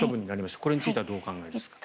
これについてはどうお考えですか？